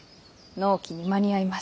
納期に間に合いました！